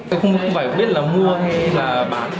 em không phải biết là mua hay là bán